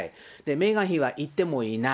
メーガン妃はいってもいない。